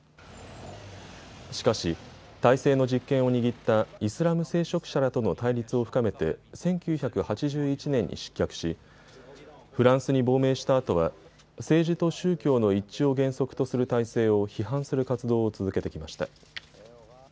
しかし体制の実権を握ったイスラム聖職者らとの対立を深めて１９８１年に失脚しフランスに亡命したあとは政治と宗教の一致を原則とする体制を批判する活動を続けてきました。